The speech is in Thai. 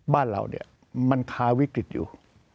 บ้านเราเนี่ยมันคาวิกฤตอยู่